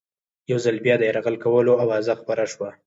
یو ځل بیا د یرغل کولو آوازه خپره شوه.